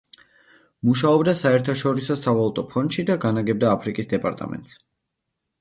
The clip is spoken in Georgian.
მუშაობდა საერთაშორისო სავალუტო ფონდში და განაგებდა აფრიკის დეპარტამენტს.